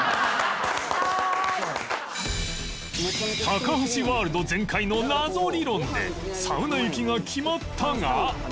高橋ワールド全開の謎理論でサウナ行きが決まったが